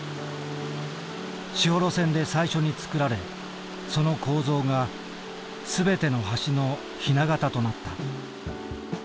士幌線で最初に造られその構造が全ての橋のひな型となった。